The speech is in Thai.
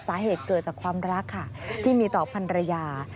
สาเหตุเกิดจากความรักค่ะที่มีต่อพันรยา